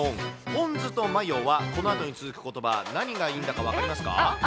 ポン酢とマヨは、このあとに続くことば、何がいいんだか分かりますか？